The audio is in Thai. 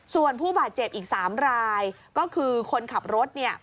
ส่วนผู้บาดเจ็บอีก๓รายก็คือคนขับรถเนี่ย